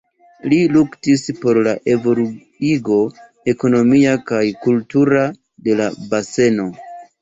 Li luktis por la evoluigo ekonomia kaj kultura de la baseno.